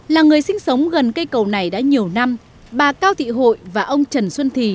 là người sinh sống gần cây cầu này đã nhiều năm bà cao thị hội và ông trần xuân thì